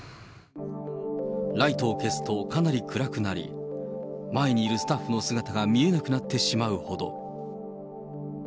ライトを消すと、かなり暗くなり、前にいるスタッフの姿が見えなくなってしまうほど。